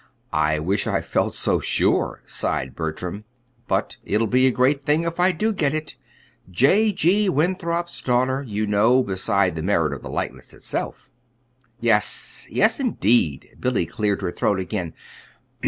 "I wish I felt so sure," sighed Bertram. "But it'll be a great thing if I do get it J. G. Winthrop's daughter, you know, besides the merit of the likeness itself." "Yes; yes, indeed!" Billy cleared her throat again.